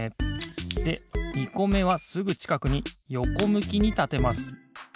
で２こめはすぐちかくによこむきにたてます。